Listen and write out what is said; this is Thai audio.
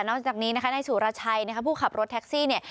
นอกจากนี้นะคะในศูรชัยนะครับผู้ขับรถแท็กซี่เนี่ย